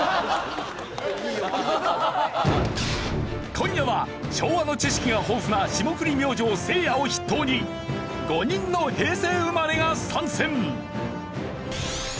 今夜は昭和の知識が豊富な霜降り明星せいやを筆頭に５人の平成生まれが参戦。